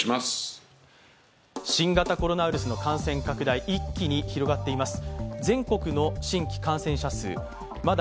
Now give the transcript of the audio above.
新型コロナウイルスの感染拡大、一気に広がっています。